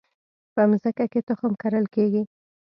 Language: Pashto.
په مځکه کې تخم کرل کیږي